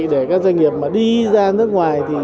để các doanh nghiệp đi ra nước ngoài